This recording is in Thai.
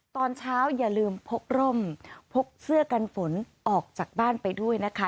ตอนเช้าอย่าลืมพกร่มพกเสื้อกันฝนออกจากบ้านไปด้วยนะคะ